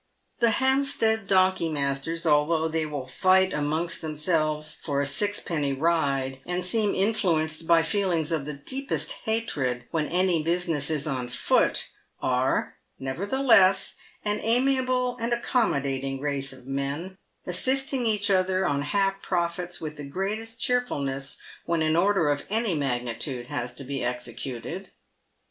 The Hampstead donkey masters, although they will fight amongst themselves for a sixpenny ride, and seem influenced by feelings of the deepest hatred when any business is on foot, are, nevertheless, an amiable and accommodating race of men, assisting each other on half profits with the greatest cheerfulness w r hen an order of any magnitude has to be executed.